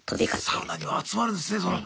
サウナには集まるんですねその。